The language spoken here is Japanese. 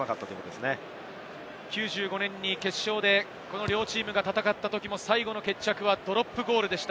９５年に決勝でこの両チームが戦ったときも最後の決着はドロップゴールでした。